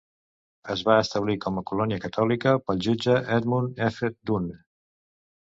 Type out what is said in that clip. Es va establir com a colònia catòlica pel jutge Edmund F. Dunne.